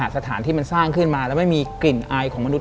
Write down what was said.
สถานที่มันสร้างขึ้นมาแล้วไม่มีกลิ่นอายของมนุษ